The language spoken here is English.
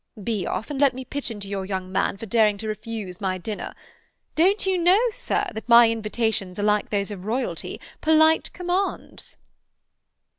Be off, and let me pitch into your young man for daring to refuse my dinner. Don't you know, sir, that my invitations are like those of Royalty—polite commands?"